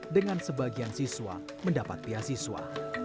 dengan sebagian siswa mendapat pihak siswa